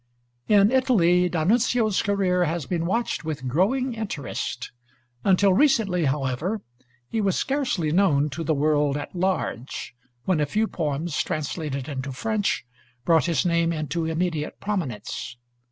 In Italy, D'Annunzio's career has been watched with growing interest. Until recently, however, he was scarcely known to the world at large, when a few poems, translated into French, brought his name into immediate prominence.